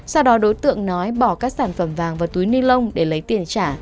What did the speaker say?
sau đó đối tượng nói bỏ các sản phẩm vàng và túi ni lông để lấy tiền trả